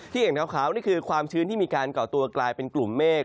อย่างขาวนี่คือความชื้นที่มีการก่อตัวกลายเป็นกลุ่มเมฆ